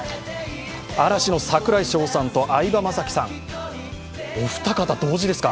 嵐の櫻井翔さんと相葉直紀さん、お二方同時ですか